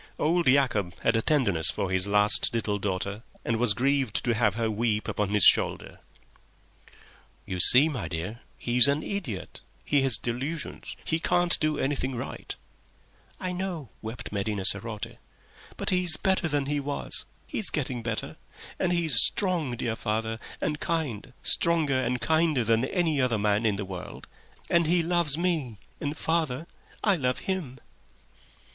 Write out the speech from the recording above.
Old Yacob had a tenderness for his last little daughter, and was grieved to have her weep upon his shoulder. "You see, my dear, he's an idiot. He has delusions; he can't do anything right." "I know," wept Medina sarote. "But he's better than he was. He's getting better. And he's strong, dear father, and kind—stronger and kinder than any other man in the world. And he loves me—and, father, I love him."